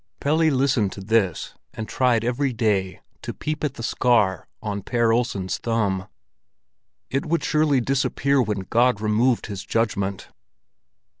Pelle listened to this, and tried every day to peep at the scar on Per Olsen's thumb. It would surely disappear when God removed his judgment!